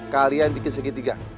kalian bikin segitiga